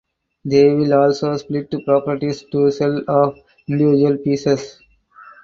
They will also split proprieties to sell off individual pieces.